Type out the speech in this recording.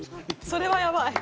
それはやばい。